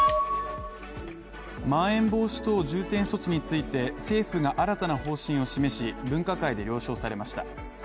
まん延防止等重点措置について政府が新たな方針を示し、分科会で了承されました。